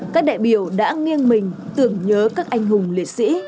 các đại biểu đã nghiêng mình tưởng nhớ các anh hùng liệt sĩ